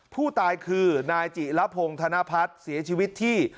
ผู้ตายคือนายจิระพงธนพัฒน์เสียชีวิตที่